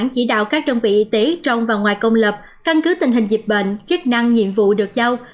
văn bản chỉ đạo các đồng vị y tế trong và ngoài công lập căn cứ tình hình dịch bệnh chức năng nhiệm vụ được giao